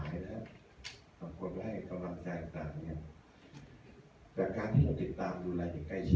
สำคมก็ให้กำลังใจต่างอย่างเงี้ยแต่การที่เราติดตามดูแลอย่างใกล้ชิด